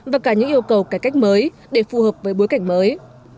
và cả những yêu cầu cải cách mới để phù hợp với bối cảnh mới